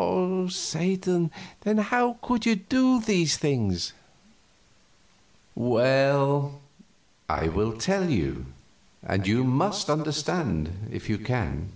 "Oh, Satan, then how could you do these things?" "Well, I will tell you, and you must understand if you can.